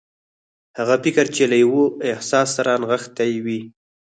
هغه فکر چې له يوه احساس سره نغښتي وي.